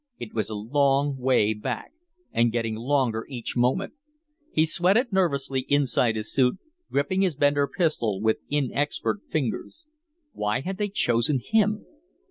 It was a long way back, and getting longer each moment. He sweated nervously inside his suit, gripping his Bender pistol with inexpert fingers. Why had they chosen him?